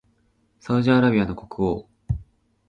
サウジアラビアの国王